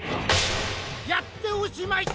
やっておしまい！